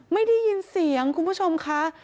ไม่ได้ยินเสียงคุณผู้ชมค่ะ